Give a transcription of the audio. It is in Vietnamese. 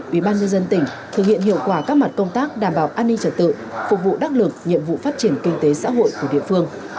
ubnd tỉnh thực hiện hiệu quả các mặt công tác đảm bảo an ninh trật tự phục vụ đắc lực nhiệm vụ phát triển kinh tế xã hội của địa phương